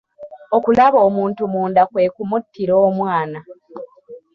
Okulaba omuntu munda kwe kumuttira omwana.